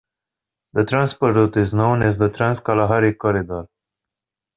The transport route is known as the Trans-Kalahari Corridor.